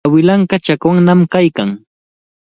Awilanqa chakwannami kaykan.